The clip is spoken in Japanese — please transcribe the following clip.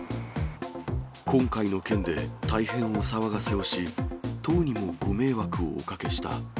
今回の件で、大変お騒がせをし、党にもご迷惑をおかけした。